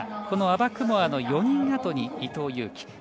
このアバクモワの４人あとに伊藤有希。